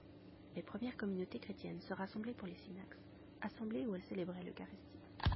Les premières communautés chrétiennes se ressemblaient pour les synaxes, assemblées où elles célébraient l'eucharistie.